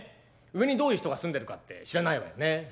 上にどういう人が住んでるかって知らないわよね。